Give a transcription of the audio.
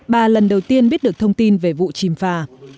bà lần đầu tiên biết được thông tin về vụ chìm phà